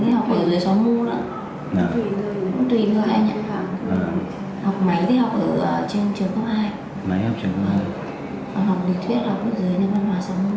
em học ở trường cấp hai em đi học ở dưới xóa mua đó cũng tùy người anh ạ